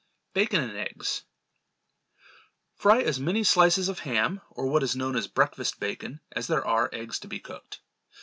Bacon and Eggs. Fry as many slices of ham, or what is known as breakfast bacon, as there are eggs to be cooked.